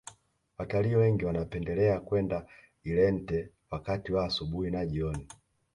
watalii wengi wanapendelea kwenda irente wakati wa asubuhi na jioni